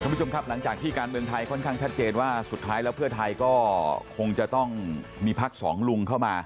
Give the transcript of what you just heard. คุณผู้ชมครับหลังจากที่การเมืองไทยค่อนข้างชัดเจนว่าสุดท้ายแล้วเพื่อไทยก็คงจะต้องมีพักสองลุงเข้ามา